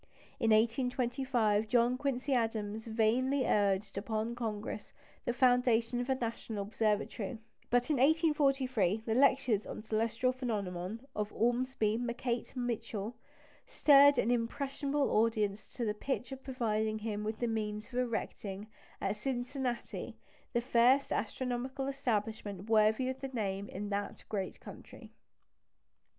In 1825 John Quincy Adams vainly urged upon Congress the foundation of a National Observatory; but in 1843 the lectures on celestial phenomena of Ormsby MacKnight Mitchel stirred an impressionable audience to the pitch of providing him with the means of erecting at Cincinnati the first astronomical establishment worthy the name in that great country.